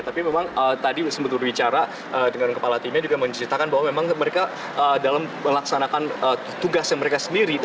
tapi memang tadi sementara bicara dengan kepala timnya juga menceritakan bahwa memang mereka dalam melaksanakan tugas yang mereka sendiri